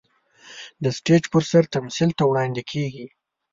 د سټېج پر سر تمثيل ته وړاندې کېږي.